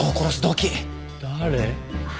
誰？